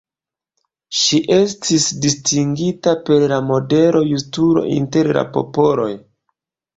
Ŝi estis distingita per la medalo Justulo inter la popoloj.